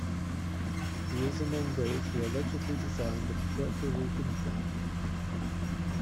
He is among those who allegedly designed the Puerto Rican flag.